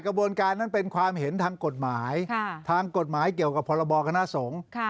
กระบวนการนั้นเป็นความเห็นทางกฎหมายทางกฎหมายเกี่ยวกับพรบคณะสงฆ์